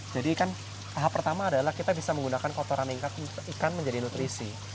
jadi kan tahap pertama adalah kita bisa menggunakan kotoran ikan menjadi nutrisi